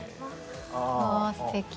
ああすてき。